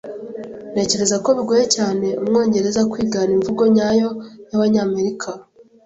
Ntekereza ko bigoye cyane umwongereza kwigana imvugo nyayo yabanyamerika.